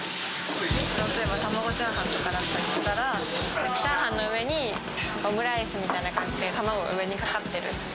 例えば玉子炒飯とかだったりしたら、チャーハンの上にオムライスみたいな感じで卵が上にかかってる。